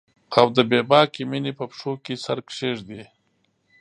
او د بې باکې میینې په پښو کې سر کښیږدي